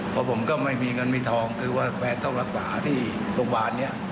เพราะผมก็ไม่มีเงินมีทองคือว่าแฟนต้องรักษาที่โรงพยาบาลนี้